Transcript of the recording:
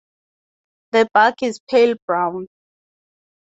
The bark is pale brown.